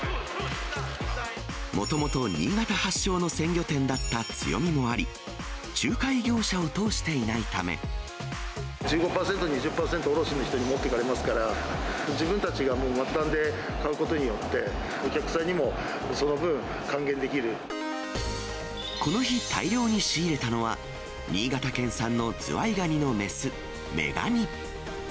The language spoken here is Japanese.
もともと新潟発祥の鮮魚店だった強みもあり、仲介業者を通してい１５％、２０％、卸の人に持っていかれますから、自分たちが末端で買うことによって、この日、大量に仕入れたのは、新潟県産のズワイガニの雌、メガニ。